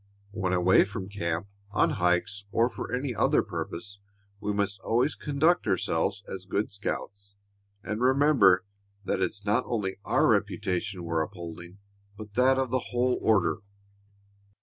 When away from camp on hikes or for any other purpose, we must always conduct ourselves as good scouts and remember that it's not only our own reputation we're upholding, but that of the whole order."